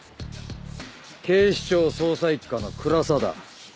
警視庁捜査一課の倉沢だ。